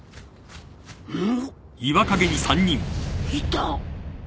いた！